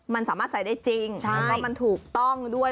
มันสามารถใส่ได้จริงแล้วก็มันถูกต้องด้วย